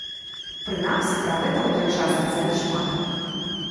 Прынамсі, пра гэта ў той час казалі шмат.